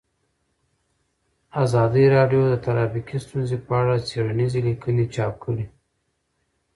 ازادي راډیو د ټرافیکي ستونزې په اړه څېړنیزې لیکنې چاپ کړي.